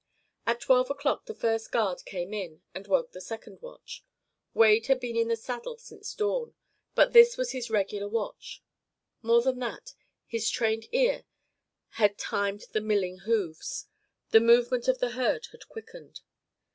At twelve o'clock the first guard came in and woke the second watch. Wade had been in the saddle since dawn, but this was his regular watch. More than that, his trained ear had timed the milling hoofs. The movement of the herd had quickened.